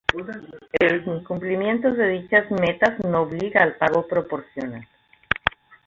El incumplimiento de dichas metas no obliga al pago Proporcional.